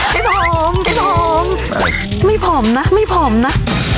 พี่ทมไม่ผอมนะไม่ผอมนะ